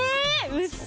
うっそ！